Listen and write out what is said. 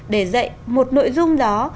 để dạy một nội dung đó